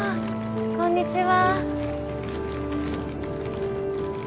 こんにちは。